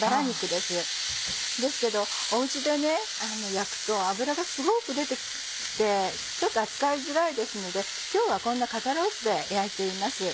ですけどお家で焼くと脂がすごく出て来てちょっと扱いづらいですので今日はこんな肩ロースで焼いています。